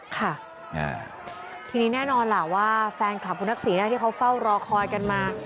ค่ะทีนี้แน่นอนล่ะว่าแฟนคลับคุณทักษีหน้าที่เขาเฝ้ารอคอยกันมา